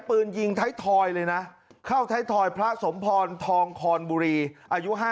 ปืนยิงไทยทอยเลยนะเข้าไทยทอยพระสมพรทองคอนบุรีอายุ๕๐